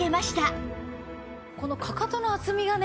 このかかとの厚みがね